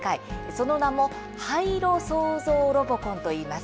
その名も廃炉創造ロボコンといいます。